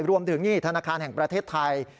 รวมถึงนี่ธนาคารแห่งประเทศไทย